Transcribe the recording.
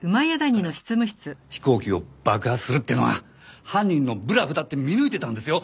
彼は飛行機を爆破するっていうのが犯人のブラフだって見抜いてたんですよ。